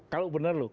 kalau benar loh